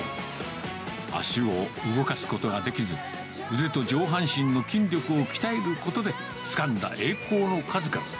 足を動かすことができず、腕と上半身の筋力を鍛えることで、つかんだ栄光の数々。